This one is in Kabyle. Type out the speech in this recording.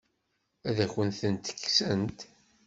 Ad akent-tent-kksent?